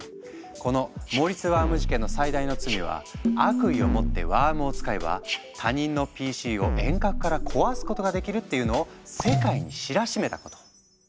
このモリスワーム事件の最大の罪は悪意を持ってワームを使えば他人のＰＣを遠隔から壊すことができるっていうのを世界に知らしめたこと。